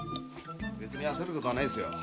別にあせることはないっすよ！